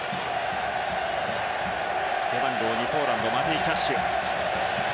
背番号２、ポーランドのマティ・キャッシュ。